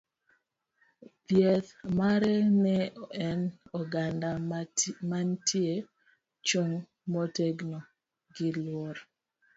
Dhieth mare ne en oganda mantie chung' motegno gi luor.